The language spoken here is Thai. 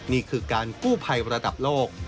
นี่คือการกู้ภัยระดับโลก